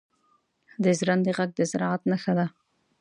• د ژرندې ږغ د زراعت نښه ده.